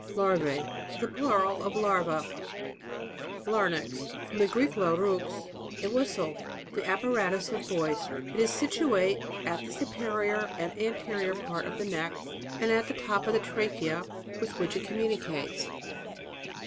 LARVAE. The plural of larva. LARYNX. From the Greek, larugx^a. whistle. The apparatus of voice. It is situate at the superior and an terior part of the neck ; and at the top of the trachea, with which it communicates.